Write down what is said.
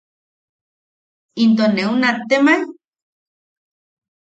¿Into neu nattemae?